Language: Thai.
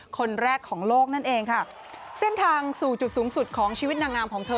คนแรกของโลกนั่นเองค่ะเส้นทางสู่จุดสูงสุดของชีวิตนางงามของเธอ